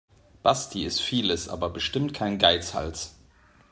Basti ist vieles, aber bestimmt kein Geizhals.